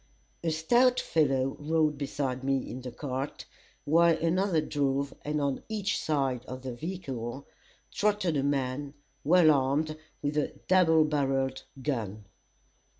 A stout fellow rode beside me in the cart, while another drove, and on each side of the vehicle trotted a man, well armed with a double barrelled gun.